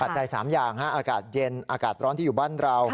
จัย๓อย่างอากาศเย็นอากาศร้อนที่อยู่บ้านเรา